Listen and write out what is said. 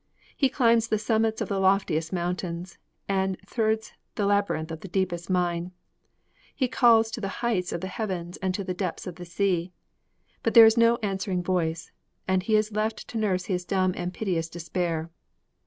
He climbs the summits of the loftiest mountains and thrids the labyrinth of the deepest mine; he calls to the heights of the heavens and to the depths of the sea. But there is no answering voice, and he is left to nurse his dumb and piteous despair.